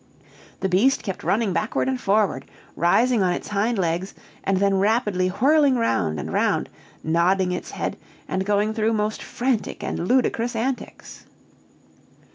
The beast kept running backward and forward, rising on its hind legs, and then rapidly whirling round and round, nodding its head, and going through most frantic and ludicrous antics.